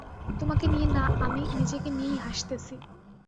তোমাকে নিয়ে না আমি নিজেকে নিয়েই হাসতেছি।